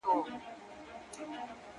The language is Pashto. که ستا چيري اجازه وي محترمه,